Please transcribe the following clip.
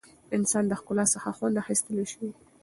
انسان له ښکلا څخه خوند اخیستلی شي.